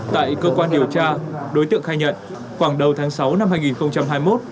tại cơ quan điều tra đối tượng khai nhận khoảng đầu tháng sáu năm hai nghìn hai mươi một